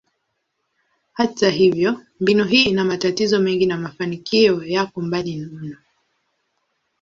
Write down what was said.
Hata hivyo, mbinu hii ina matatizo mengi na mafanikio yako mbali mno.